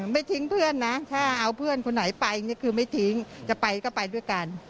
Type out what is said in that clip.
ไม่ทิ้งเพื่อนนะถ้าเอาเพื่อนคนไหนไปนี่คือไม่ทิ้งจะไปก็ไปด้วยกัน